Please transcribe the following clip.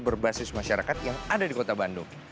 berbasis masyarakat yang ada di kota bandung